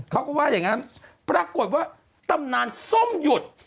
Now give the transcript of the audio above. เขาก็ว่าอย่างนั้นปรากฏว่าตำนานส้มหยุด